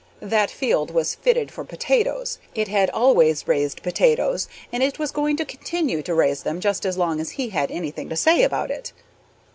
That field was fitted for potatoes, it had always raised potatoes, and it was going to continue to raise them just as long as he had anything to say about it.